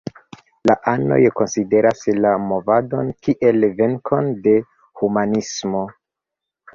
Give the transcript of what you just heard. La anoj konsideras la movadon kiel venkon de humanismo.